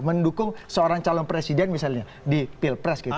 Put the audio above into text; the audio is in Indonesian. mendukung seorang calon presiden misalnya di pilpres gitu